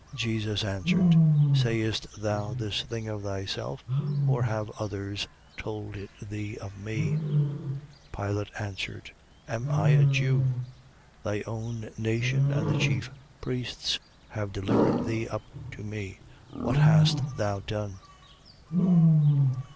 18:34. Jesus answered: Sayest thou this thing of thyself, or have others told it thee of me? 18:35. Pilate answered: Am I a Jew? Thy own nation and the chief priests have delivered thee up to me. What hast thou done?